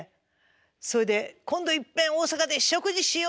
それで「今度いっぺん大阪で食事しようや！」